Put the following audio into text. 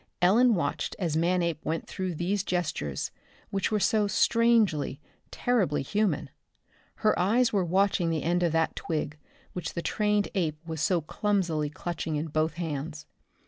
Ellen watched as Manape went through these gestures which were so strangely, terribly human. Her eyes were watching the end of that twig which the trained ape was so clumsily clutching in both hands.